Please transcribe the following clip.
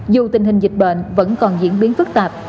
dù tình hình dịch bệnh vẫn còn diễn biến phức tạp